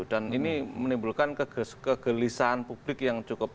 dan ini menimbulkan kegelisahan publik yang cukup